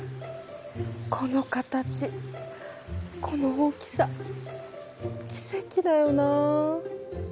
この形この大きさ奇跡だよな。